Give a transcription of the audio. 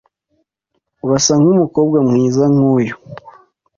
Urasa nkumukobwa mwiza nkuyu.